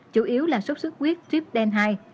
chủ yếu là sốt sốt khuyết trypden hai